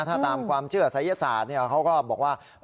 ถ้าตามความเชื่อศัยศาสตร์เขาก็บอกว่า